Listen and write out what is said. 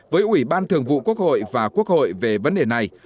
với ủy ban thường vụ quốc hội và quốc hội về vấn đề này